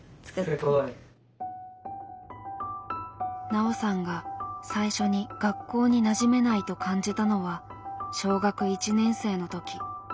ナオさんが最初に「学校になじめない」と感じたのは小学１年生の時。